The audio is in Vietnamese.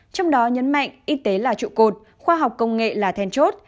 trong đó nhấn mạnh y tế là trụ cột khoa học công nghệ là then chốt